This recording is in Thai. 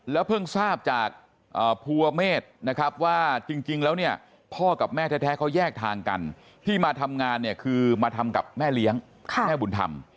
เพิ่งทราบจากภูเมฆนะครับว่าจริงแล้วเนี่ยพ่อกับแม่แท้เขาแยกทางกันที่มาทำงานเนี่ยคือมาทำกับแม่เลี้ยงแม่บุญธรรม